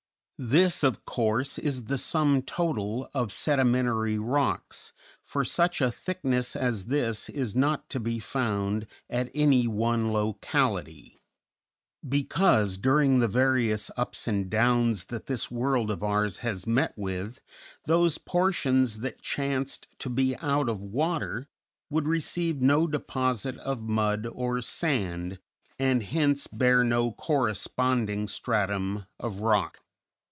This, of course, is the sum total of sedimentary rocks, for such a thickness as this is not to be found at any one locality; because, during the various ups and downs that this world of ours has met with, those portions that chanced to be out of water would receive no deposit of mud or sand, and hence bear no corresponding stratum of rock.